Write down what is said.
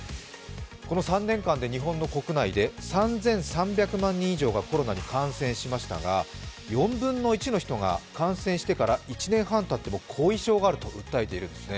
この３年間で日本の国内で３３００万人以上がコロナに感染しましたが、４分の１の人が感染してから１年半たっても後遺症があると訴えているんです。